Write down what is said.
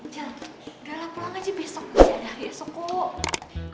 jal udahlah pulang aja besok bisa ada hari esok kok